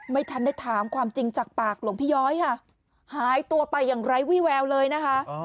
ไม่ทันได้ถามความจริงจากปากหลวงพี่ย้อยค่ะหายตัวไปอย่างไร้วี่แววเลยนะคะ